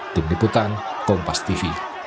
tim liputan kompas tv